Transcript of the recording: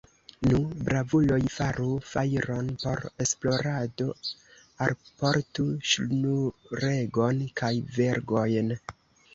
Nu, bravuloj, faru fajron por esplorado, alportu ŝnuregon kaj vergojn!